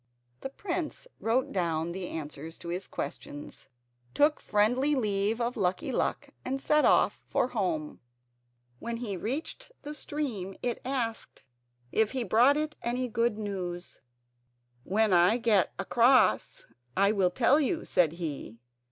The prince wrote down the answers to his questions, took a friendly leave of Lucky Luck, and set off for home. When he reached the stream it asked if he brought it any good news. "When I get across I will tell you," said he.